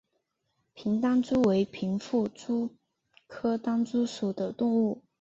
平单蛛为平腹蛛科单蛛属的动物。